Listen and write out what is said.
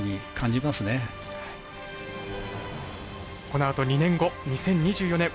このあと２年後２０２４年